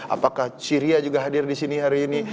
apakah syria juga hadir di sini hari ini